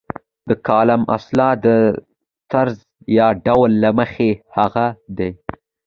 کالم اصلاً د طرز یا ډول له مخې هغه دی.